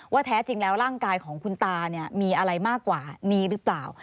แท้จริงแล้วร่างกายของคุณตามีอะไรมากกว่านี้หรือเปล่า